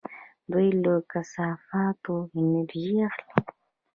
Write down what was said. دوی له کثافاتو انرژي اخلي.